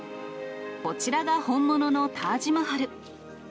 こちらが本物のタージマハル。